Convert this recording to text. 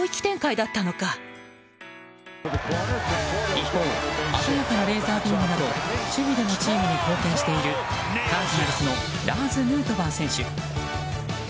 一方鮮やかなレーザービームなど守備でもチームに貢献しているカージナルスのラーズ・ヌートバー選手。